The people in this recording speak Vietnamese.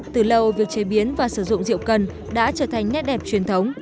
từ lâu việc chế biến và sử dụng rượu cần đã trở thành nét đẹp truyền thống